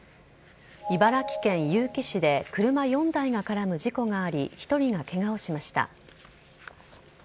茨城県結城市で車４台が絡む事故があり１人がケガをしました。